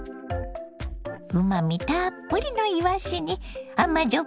うまみたっぷりのいわしに甘じょ